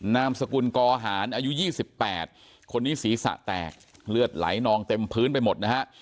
นามสกุลกอหารอายุ๒๘คนนี้ศีรษะแตกเลือดไหลนองเต็มพื้นไปหมดนะฮะ